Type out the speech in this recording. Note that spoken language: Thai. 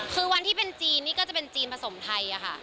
คือวันที่เป็นจีนนี่ก็จะเป็นจีนผสมไทยค่ะ